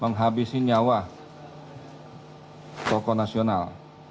menghabisi nyawa tokoh nasional